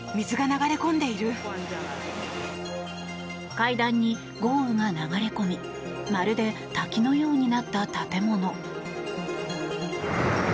階段に豪雨が流れ込みまるで滝のようになった建物。